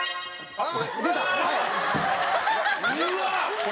あっ！